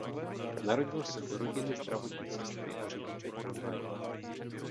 Narodil se do rodiny zdravotní sestry a řidiče tramvaje.